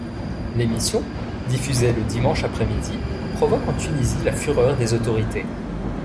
L’émission, diffusée le dimanche après-midi, provoque en Tunisie la fureur des autorités.